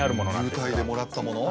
優待でもらったもの。